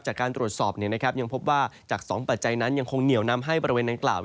จากการตรวจสอบยังพบจากสองประจายนั้นยังคงเหนี่ยวนำให้ประเวณด้านกล่าวกด